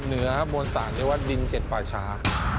เหนือมวลสารเรียกว่าดินเจ็ดป่าชา